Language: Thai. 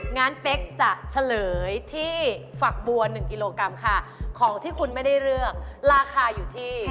งั้นเป๊กจะเฉลยที่ฝักบัว๑กิโลกรัมค่ะของที่คุณไม่ได้เลือกราคาอยู่ที่